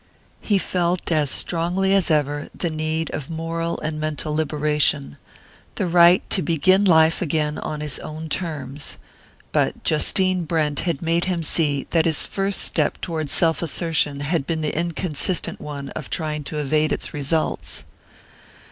He felt as strongly as ever the need of moral and mental liberation the right to begin life again on his own terms. But Justine Brent had made him see that his first step toward self assertion had been the inconsistent one of trying to evade its results.